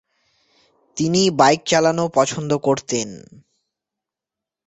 তিনি বাইক চালানো পছন্দ করতেন।